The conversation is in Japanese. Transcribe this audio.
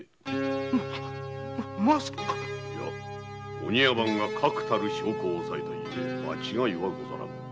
お庭番が確たる証拠を押さえたゆえ間違いはござらぬ。